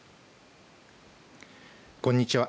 こんにちは。